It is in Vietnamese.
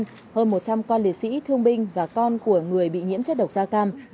hơn một trăm linh con liệt sĩ thương binh và con của người bị nhiễm chất độc da cam